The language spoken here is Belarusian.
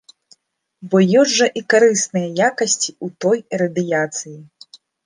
Бо ёсць жа і карысныя якасці ў той радыяцыі.